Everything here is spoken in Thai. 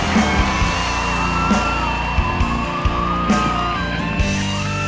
ฉันมองกับเธอ